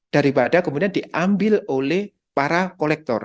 daripada kemudian diambil oleh para kolektor